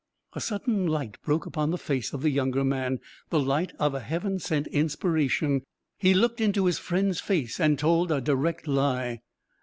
A sudden light broke upon the face of the younger man, the light of a heaven sent inspiration. He looked into his friend's face, and told a direct lie.